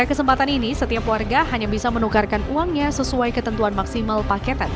pada kesempatan ini setiap warga hanya bisa menukarkan uangnya sesuai ketentuan maksimal paketan